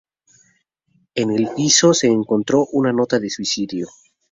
En el piso se encontró una nota de suicidio.